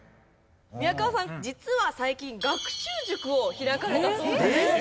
宮川さん実は最近学習塾を開かれたそうです。